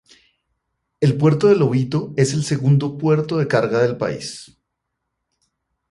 El puerto de Lobito es el segundo puerto de carga del país.